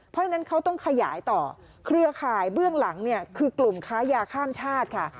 เพราะฉะนั้นเขาต้องขยายต่อเครือข่ายเบื้องหลังเนี่ยคือกลุ่มค้ายาข้ามชาติค่ะ